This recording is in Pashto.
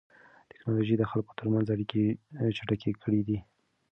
تکنالوژي د خلکو ترمنځ اړیکې چټکې کړې دي.